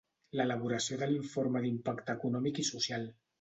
L'elaboració de l'informe d'impacte econòmic i social.